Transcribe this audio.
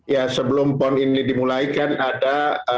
ya sebelum pon ini dimulaikan ada